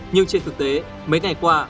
nhưng trên thực tế mấy ngày qua